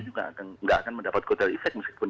juga tidak akan mendapat kuatal efek meskipun